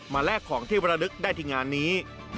แลกของที่วรลึกได้ที่งานนี้